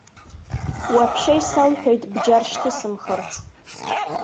Уаҳәшьа исалҳәеит бџьар шьҭысымхырц.